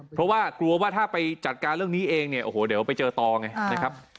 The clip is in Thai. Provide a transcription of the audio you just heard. เพราะว่ากลัวว่าถ้าไปจัดการเรื่องนี้เองเนี่ยโอ้โหเดี๋ยวไปเจอต่อไงนะครับ